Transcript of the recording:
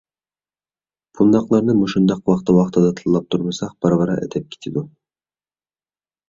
بۇنداقلارنى مۇشۇنداق ۋاقتى-ۋاقتىدا تىللاپ تۇرمىساق، بارا-بارا ئەدەپ كېتىدۇ.